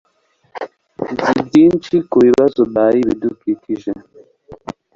Nzi byinshi kubibazo by ibidukikije.